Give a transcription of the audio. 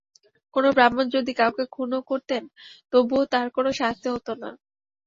কোন ব্রাহ্মণ যদি কাউকে খুনও করতেন, তবুও তাঁর কোন শাস্তি হত না।